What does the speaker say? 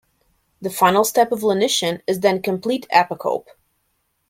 The final step of lenition is then complete apocope.